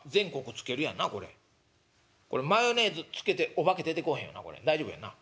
これマヨネーズつけてお化け出てこおへんよな大丈夫やんな。